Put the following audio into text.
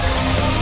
tiga dua satu